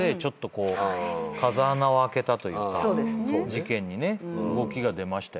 事件に動きが出ました。